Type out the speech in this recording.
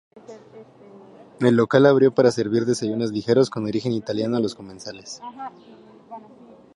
El local abrió para servir desayunos ligeros con origen italiano a los comensales.